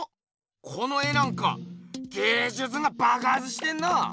この絵なんか芸術がばくはつしてんな！